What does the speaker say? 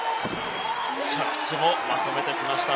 着地もまとめてきました。